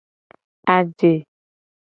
Aje.